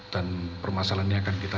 dan permasalahan ini akan kita